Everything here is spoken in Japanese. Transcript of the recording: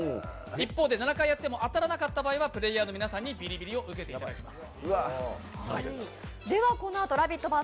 一方で７回やっても当たらなかった場合はプレーヤーの皆さんにビリビリを受けていただきます。